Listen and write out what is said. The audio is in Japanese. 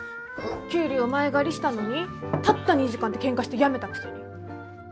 給料前借りしたのにたった２時間でケンカして辞めたくせに。